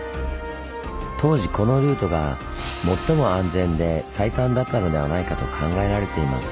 当時このルートが最も安全で最短だったのではないかと考えられています。